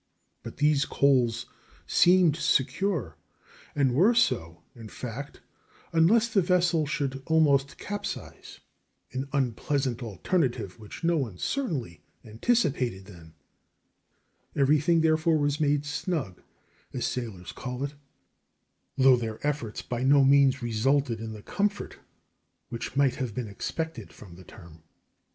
But these coals seemed secure, and were so, in fact, unless the vessel should almost capsize an unpleasant alternative which no one certainly anticipated then. Everything, therefore, was made "snug," as sailors call it, though their efforts by no means resulted in the comfort which might have been expected from the term.